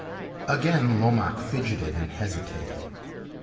Again Lomaque fidgeted and hesitated.